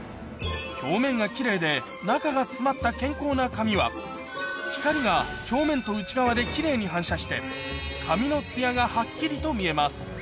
表面がキレイで中が詰まった健康な髪は光が表面と内側でキレイに反射して髪のツヤがはっきりと見えます